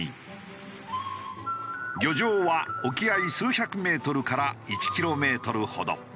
漁場は沖合数百メートルから１キロメートルほど。